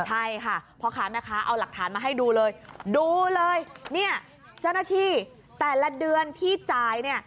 ใช่ค่ะพ่อค้าแม่ค้าเอาหลักฐานมาให้ดูเลยดูเลยเนี่ยเจ้าหน้าที่แต่ละเดือนที่จ่ายเนี่ย